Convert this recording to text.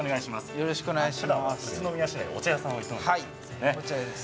よろしくお願いします。